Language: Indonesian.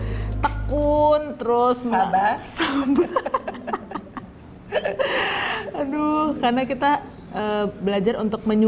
pada ketinggalan mereka sudah berusaha bertvideo sering agar bahwa suasana pertonjekan mereka